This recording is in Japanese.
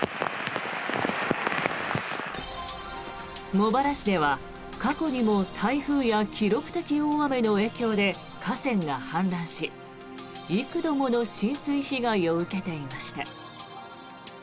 茂原市では過去にも台風や記録的大雨の影響で河川が氾濫し幾度もの浸水被害を受けていました。